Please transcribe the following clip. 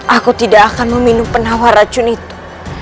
aku tidak akan meminum penawar racun itu